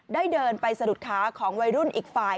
เดินไปสะดุดขาของวัยรุ่นอีกฝ่าย